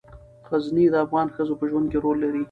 غزني د افغان ښځو په ژوند کې رول لري.